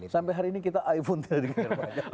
sampai hari ini kita iphone tidak dikejar pajak